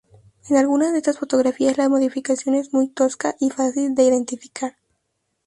En algunas de estas fotografías la modificación es muy tosca y fácil de identificar.